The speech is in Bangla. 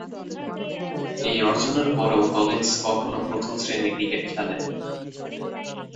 এই অর্জনের পরেও কলিন্স কখনও প্রথম-শ্রেণীর ক্রিকেট খেলেন নি।